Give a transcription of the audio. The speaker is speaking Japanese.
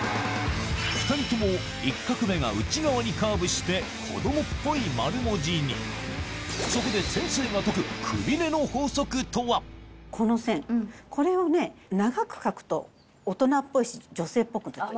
２人とも１画目が内側にカーブしてそこでこの線これを長く書くと大人っぽいし女性っぽくできる。